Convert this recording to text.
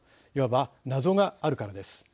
いわば謎があるからです。